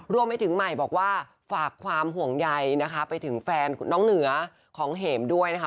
รวมไปถึงใหม่บอกว่าฝากความห่วงใยนะคะไปถึงแฟนน้องเหนือของเหมด้วยนะคะ